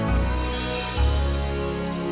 sampai jumpa lagi